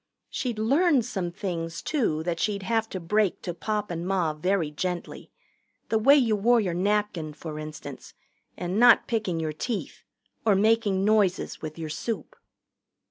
She'd learned some things, too, that she'd have to break to Pop and Ma very gently the way you wore your napkin, for instance, and not picking your teeth, or making noises with your soup.